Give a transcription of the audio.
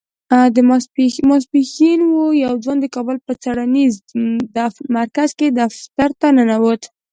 ماسپښين و يو ځوان د کابل په څېړنيز مرکز کې دفتر ته ننوت.